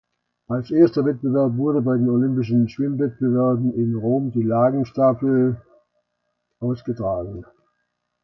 Als erster Wettbewerb wurde bei den olympischen Schwimmwettbewerben in Rom die Lagenstaffel ausgetragen.